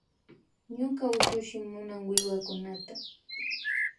Ñuka ushushi munan wiwakunata